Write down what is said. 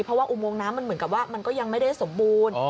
เพราะว่าอุโมงน้ำมันเหมือนกับว่ามันก็ยังไม่ได้สมบูรณ์